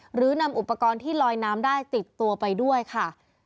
หรือนำอุปกรณ์ที่ลอยน้ำได้ติดตัวไปด้วยค่ะ